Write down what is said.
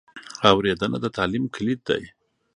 اورېدنه د تعلیم کلید دی.